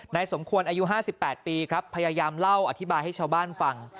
สมควรอายุ๕๘ปีครับพยายามเล่าอธิบายให้ชาวบ้านฟัง